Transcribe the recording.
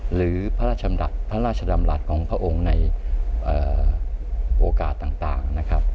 หรือพระราชดำรัฐของพระองค์ในโอกาสต่างนะครับ